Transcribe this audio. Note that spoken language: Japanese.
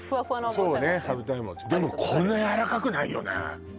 羽二重餅でもこんなやわらかくないよね